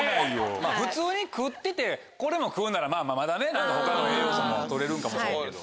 普通に食っててこれも食うならまだね他の栄養素も取れるんかもしれんけど。